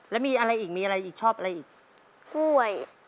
แล้วมีอะไรอีกมีอะไรอีกชอบอะไรอีกกล้วย